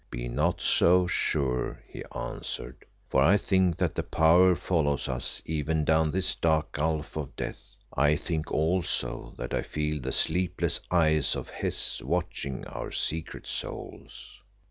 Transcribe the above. "Be not so sure," he answered, "for I think that the Power follows us even down this dark gulf of death. I think also that I feel the sleepless eyes of Hes watching our secret souls."